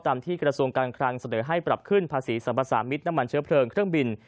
ที่กระทรวงการคลังเสนอให้ปรับขึ้นภาษีสรรพสามิตรน้ำมันเชื้อเพลิงเครื่องบิน